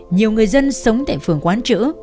nhiều người dân sống tại phường quán trữ